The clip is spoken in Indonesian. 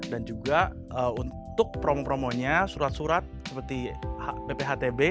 dan juga untuk promo promonya surat surat seperti bphtb ajb dan bn sudah termasuk